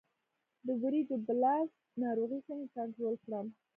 د وریجو بلاست ناروغي څنګه کنټرول کړم؟